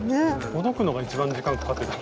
ほどくのが一番時間かかってた。